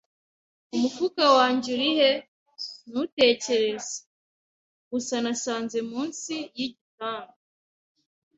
Umufuka wanjye uri he? Ntutekereze! Gusa nasanze munsi yigitanda.